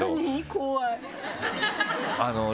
怖い！